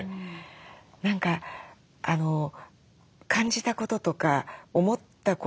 何か感じたこととか思ったこと。